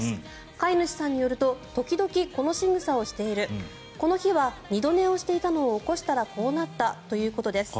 飼い主さんによると時々、このしぐさをしているこの日は二度寝をしていたのを起こしたらこうなったということです。